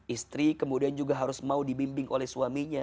istri kemudian juga harus mau dibimbing oleh suaminya